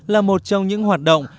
là một trong những hoạt động